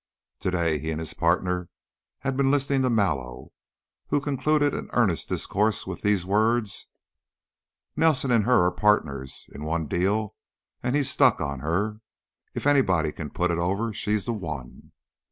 To day he and his partner had been listening to Mallow, who concluded an earnest discourse with these words: "Nelson and her are pardners in one deal and he's stuck on her. If anybody can put it over, she's the one."